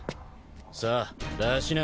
さあ出しな。